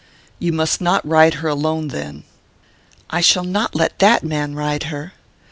"You must not ride her alone, then." "I shall not let that man ride her."